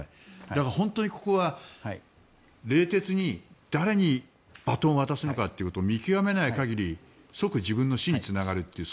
だから本当にここは冷徹に誰にバトンを渡すのかを見極めない限り即自分の死につながるという。